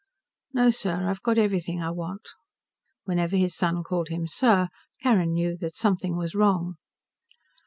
"No, sir. I've got everything I want." Whenever his son called him 'sir,' Carrin knew that something was wrong.